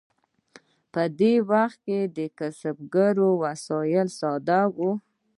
په دې وخت کې د کسبګرو وسایل ساده وو.